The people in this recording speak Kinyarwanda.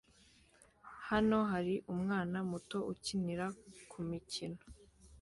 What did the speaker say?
Hano hari umwana muto ukinira kumikino